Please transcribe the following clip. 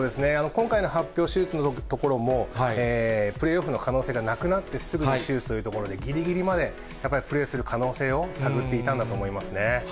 今回の発表、手術のところも、プレーオフの可能性がなくなってすぐに手術というところで、ぎりぎりまで、やっぱりプレーする可能性を探っていたんだと思いますね。